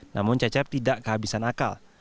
namun cecep tidak kehabisan akal